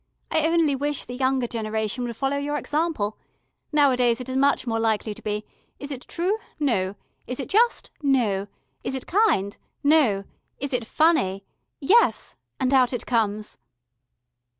"I only wish the younger generation would follow your example. Nowadays it is much more likely to be: Is it true? No. Is it just? No. Is it kind? No. Is it FUNNY? Yes. And out it comes."